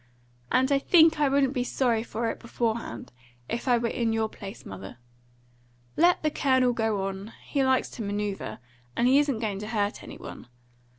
And I think I wouldn't be sorry for it beforehand, if I were in your place, mother. Let the Colonel go on! He likes to manoeuvre, and he isn't going to hurt any one.